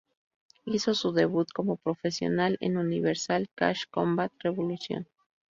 Hizo su debut como profesional en Universal Cage Combat: Revolución.